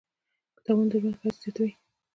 • کتابونه، د ژوند ښایست زیاتوي.